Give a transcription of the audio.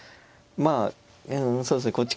まあうんそうですね